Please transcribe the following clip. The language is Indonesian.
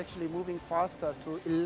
kami bergerak lebih cepat